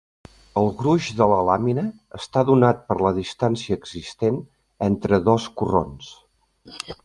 El gruix de la làmina està donat per la distància existent entre dos corrons.